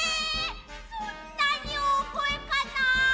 そんなにおおごえかな！？